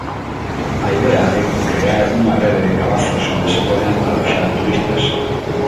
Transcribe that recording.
A idea é crear unha rede de cabazos onde se poidan aloxar turistas.